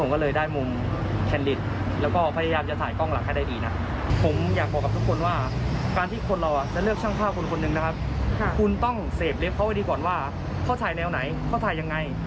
คุณต้องเสพเล็บเขาไว้ดีกว่าว่าเขาถ่ายแนวไหนเขาถ่ายยังไง